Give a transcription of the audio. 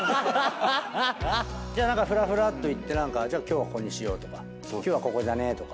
じゃあフラフラっと行って「今日はここにしよう」とか「今日はここだね」とか。